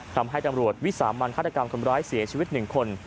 ทำให้ตำรวจวิสามมารคาตกรรมคำร้ายเสียชีวิตหนึ่งคน